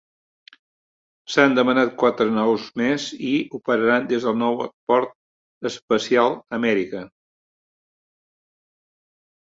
S'han demanat quatre naus més i operaran des del nou Port Espacial Amèrica.